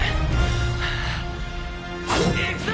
いくぞ！